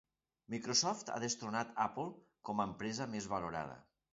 Microsoft ha destronat Apple com a empresa més valorada.